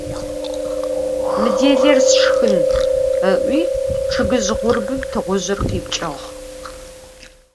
Mı dêler sşşxın, – ı'ui, ççıgızj ğurbım tığuzjır khipç'ığ.